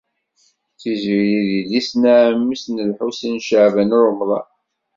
Tiziri d yelli-s n ɛemmi-s n Lḥusin n Caɛban u Ṛemḍan.